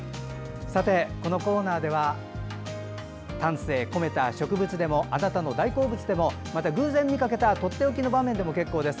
このコーナーでは丹精込めた植物でもあなたの大好物でもまた偶然見かけたとっておきの場面でも結構です。